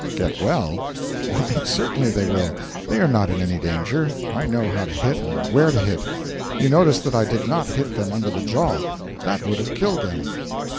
'Get well? Why, certainly they will. They are not in any danger. I know how to hit and where to hit. You noticed that I did not hit them under the jaw. That would have killed them.'